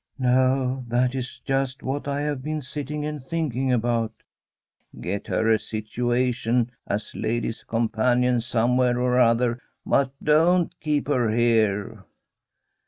' No ; that is just what I have been sitting and thinking about.' ' Get her a situation as lady's companion somewhere or other, but don't keep her here.'